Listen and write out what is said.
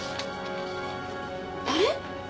あれ？